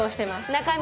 中身。